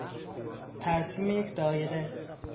ترسیم یک دایره